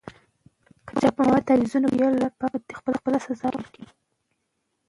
د احمدشاه بابا ژوند د مبارزې یو ښه مثال دی.